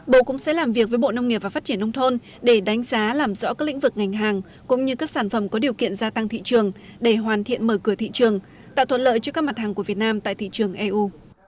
bộ cũng sẽ làm việc với bộ nông nghiệp và phát triển nông thôn để đánh giá làm rõ các lĩnh vực ngành hàng cũng như các sản phẩm có điều kiện gia tăng thị trường để hoàn thiện mở cửa thị trường tạo thuận lợi cho các mặt hàng của việt nam tại thị trường eu